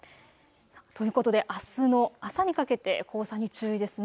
ということであすの朝にかけて黄砂に注意です。